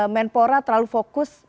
menpora terlalu fokus